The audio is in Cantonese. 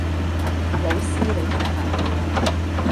老師你太客氣啦